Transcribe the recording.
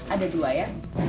ada dua ya